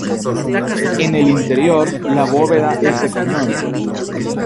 En el interior, la bóveda es de cañón.